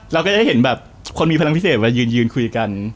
เราก็จะให้เห็นแบบคนมีพลังพิเศษมายืนคุยกัน